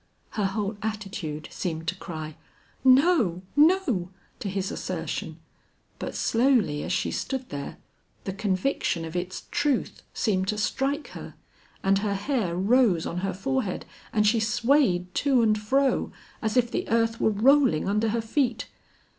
Her whole attitude seemed to cry, "No, no," to his assertion but slowly as she stood there, the conviction of its truth seemed to strike her, and her hair rose on her forehead and she swayed to and fro, as if the earth were rolling under her feet.